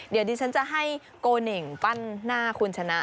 เดี๋ยวดิฉันจะให้โกเน่งปั้นหน้าคุณชนะ